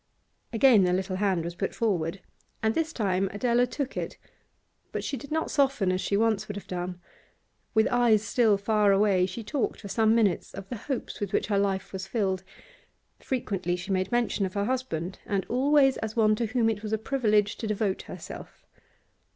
Again the little hand was put forward, and this time Adela took it. But she did not soften as she once would have done. With eyes still far away, she talked for some minutes of the hopes with which her life was filled. Frequently she made mention of her husband, and always as one to whom it was a privilege to devote herself.